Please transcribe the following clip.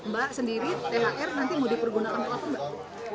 mbak sendiri thr nanti mau dipergunakan apa mbak